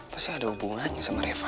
pasti ada hubungannya sama reva